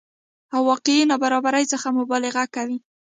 او واقعي نابرابرۍ څخه مبالغه کوي